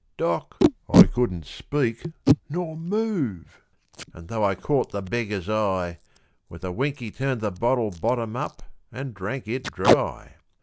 Doc., I couldn't speak nor move; an' though I caught the beggar's eye, With a wink he turned the bottle bottom up an' drank it dry.